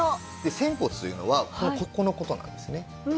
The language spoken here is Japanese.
仙骨というのはここの事なんですね。